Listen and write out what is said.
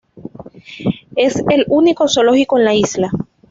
Es el único zoológico en la isla.